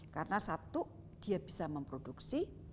karena satu dia bisa memproduksi